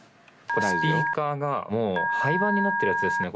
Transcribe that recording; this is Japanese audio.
これスピーカーがもう廃盤になってるやつですね。